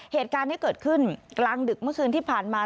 เหตุการณ์ที่เกิดขึ้นกลางดึกเมื่อคืนที่ผ่านมา